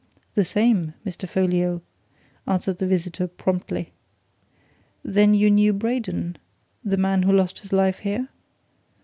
"The same, Mr. Folliot," answered the visitor, promptly. "Then you knew Braden the man who lost his life here?"